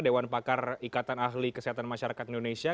dewan pakar ikatan ahli kesehatan masyarakat indonesia